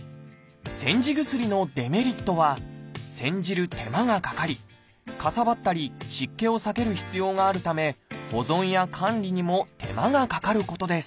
煎じ薬のデメリットは煎じる手間がかかりかさばったり湿気を避ける必要があるため保存や管理にも手間がかかることです